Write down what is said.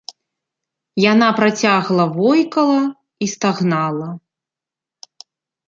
Яна працягла войкала і стагнала.